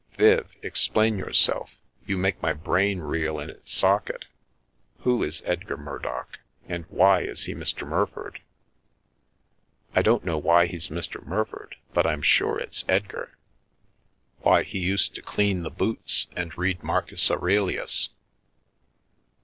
" Viv, explain yourself! You make my brain reel in its socket. Who is Edgar Murdock? And why is he Mr. Murford?" " I don't know why he's Mr. Murford, but I'm sure it's Edgar. Why, he used to clean the boots and read Marcus Aurelius."